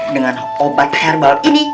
dengan obat herbal ini